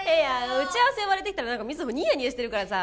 打ち合わせ呼ばれて来たら瑞穂ニヤニヤしてるからさ。